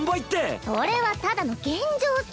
それはただの現状っス。